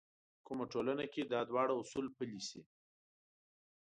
کومه ټولنه کې دا دواړه اصول پلي شي.